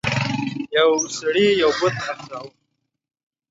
یو سړي یو بت خرڅاوه.